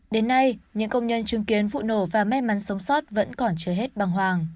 đến nay những công nhân chứng kiến vụ nổ và may mắn sống sót vẫn còn chưa hết bằng hoàng